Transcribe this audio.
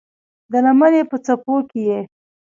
د لمنې په څپو کې یې